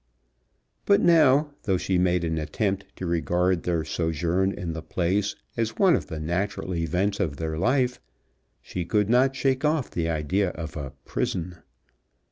But now, though she made an attempt to regard their sojourn in the place as one of the natural events of their life, she could not shake off the idea of a prison.